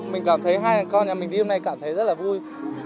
mình cảm thấy hai là con nhà mình đi hôm nay cảm thấy rất là vui